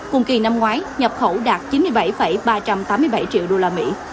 cùng kỳ năm ngoái nhập khẩu đạt chín mươi bảy ba trăm tám mươi bảy triệu đô la mỹ